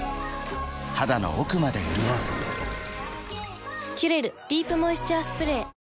肌の奥まで潤う「キュレルディープモイスチャースプレー」